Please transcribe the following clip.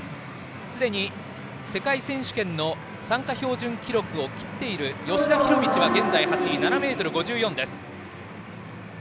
すでに世界選手権の参加標準記録を切っている吉田弘道は現在８位７ｍ５４です。